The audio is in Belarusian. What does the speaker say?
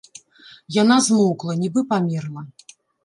Яна змоўкла, нібы памерла.